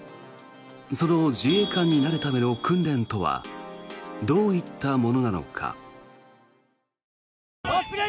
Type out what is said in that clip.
その自衛官になるための訓練とはどういったものなのか。